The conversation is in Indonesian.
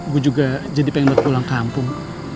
gue juga jadi pengen pulang kampung